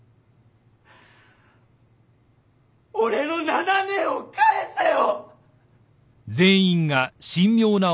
俺の７年を返せよ！